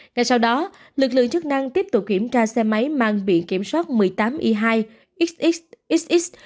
ngay sau đó lực lượng chức năng tiếp tục kiểm tra xe máy mang biển kiểm soát một mươi tám y hai xxxxx